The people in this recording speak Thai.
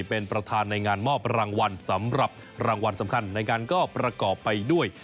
เป็นประธานในงานมอบรางวัลสำหรับรางวัลสำคัญในงานก็ประกอบไปด้วย